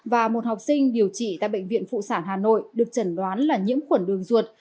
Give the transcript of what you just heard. và một học sinh điều trị tại bệnh viện phụ sản hà nội được chẩn đoán là nhiễm khuẩn đường ruột